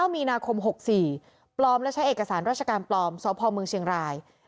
มีนาคม๖๔ปลอมและใช้เอกสารราชการปลอมสพเมืองเชียงราย